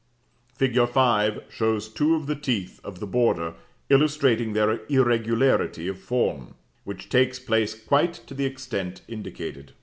Fig. 5 shows two of the teeth of the border, illustrating their irregularity of form, which takes place quite to the extent indicated.